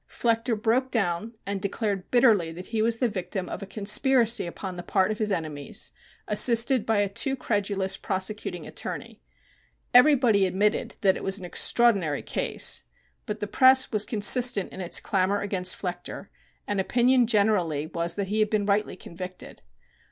Flechter broke down and declared bitterly that he was the victim of a conspiracy upon the part of his enemies, assisted by a too credulous prosecuting attorney. Everybody admitted that it was an extraordinary case, but the press was consistent in its clamor against Flechter, and opinion generally was that he had been rightly convicted.